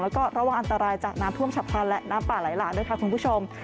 แล้วก็ระวังอันตรายจากน้ำท่วมฉับพลันและน้ำป่าไหลหลากด้วยค่ะคุณผู้ชม